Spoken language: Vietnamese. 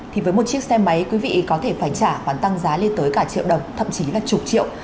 thì với một chiếc xe máy quý vị có thể phải trả khoản tăng giá lên tới cả triệu đồng thậm chí là chục triệu